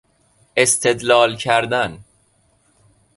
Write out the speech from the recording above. استدلال کردن